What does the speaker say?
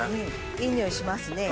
いい匂いしますね。